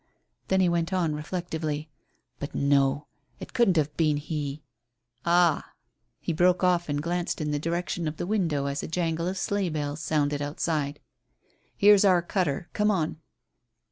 Then he went on reflectively: "But no, it couldn't have been he. Ah " He broke off and glanced in the direction of the window as the jangle of sleigh bells sounded outside. "Here's our cutter. Come on."